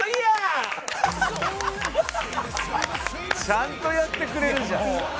ちゃんとやってくれるじゃん。